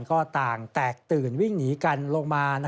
ก็ต่างแตกตื่นวิ่งหนีกันลงมา